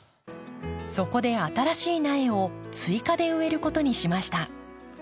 そこで新しい苗を追加で植えることにしました。